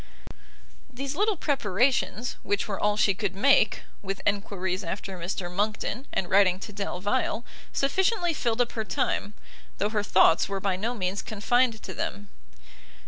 These little preparations, which were all she could make, with enquiries after Mr Monckton, and writing to Delvile, sufficiently filled up her time, though her thoughts were by no means confined to them.